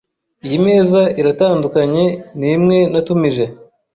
Iyi meza iratandukanye nimwe natumije .